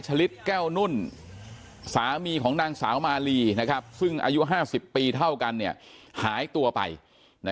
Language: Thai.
ฉลิปแก้วนุ่นสามีของนางสาวมาลีนะครับซึ่งอายุ๕๐ปีเท่ากันเนี่ยหายตัวไปนะ